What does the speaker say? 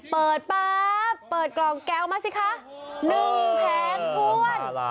เปิดป๊าเปิดกล่องแก้วมาสิคะ